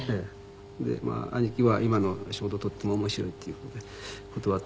で兄貴は今の仕事とっても面白いっていう事で断って。